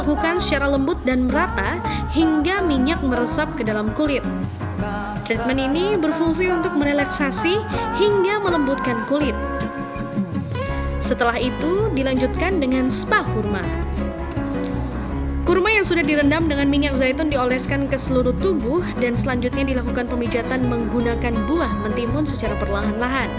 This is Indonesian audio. kurma yang sudah direndam dengan minyak zaitun dioleskan ke seluruh tubuh dan selanjutnya dilakukan pemijatan menggunakan buah mentimun secara perlahan lahan